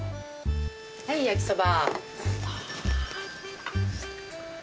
はい焼きそば。